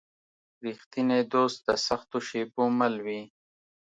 رښتینی دوست د سختو شېبو مل وي.